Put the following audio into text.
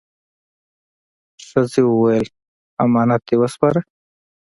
ښځه وویل: «امانت دې وسپاره؟»